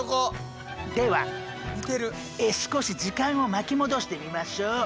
少し時間を巻き戻してみましょう。